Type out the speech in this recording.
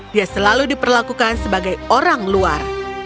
dia selalu diperlakukan sebagai orang luar